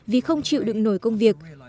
vì không chịu đựng nổi công việc